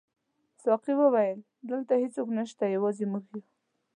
ساقي وویل: دلته هیڅوک نشته، یوازې موږ یو.